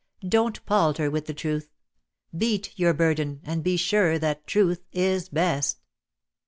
Don't palter with the truth. Bear your burden; and be sure that truth is best."